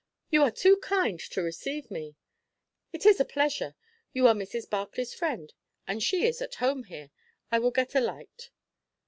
"You are too kind, to receive me!" "It is a pleasure. You are Mrs. Barclay's friend, and she is at home here; I will get a light."